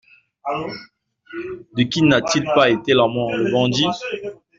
De qui n'a-t-il pas été l'amant, le bandit ?